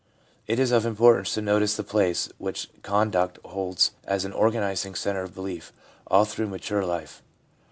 It is of importance to notice the place which conduct holds as an organising centre of belief all through mature life.